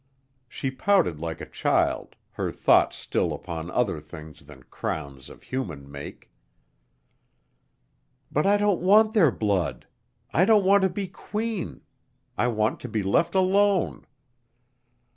She pouted like a child, her thoughts still upon other things than crowns of human make. "But I don't want their blood. I don't want to be Queen. I want to be left alone."